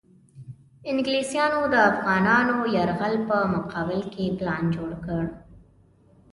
انګلیسیانو د افغانانو یرغل په مقابل کې پلان جوړ کړ.